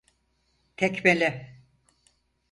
Tekmele!